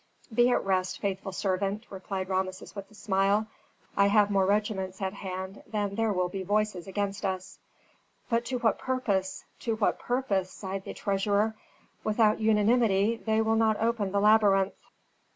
"Be at rest, faithful servant," replied Rameses with a smile. "I have more regiments at hand than there will be voices against us." "But to what purpose? to what purpose?" sighed the treasurer; "without unanimity they will not open the labyrinth."